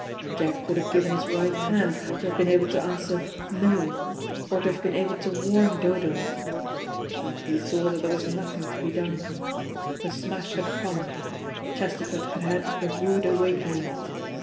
Jack would have given his right hand to have been able to answer "No," or to have been able to warn Dodo; but he saw that there was nothing to be done. The smash had come, Chesterford had had a rude awakening.